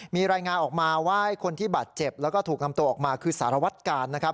มีรายงานออกมาว่าคนที่บาดเจ็บแล้วก็ถูกนำตัวออกมาคือสารวัตกาลนะครับ